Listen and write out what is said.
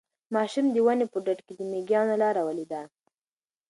ماشوم د ونې په ډډ کې د مېږیانو لاره ولیده.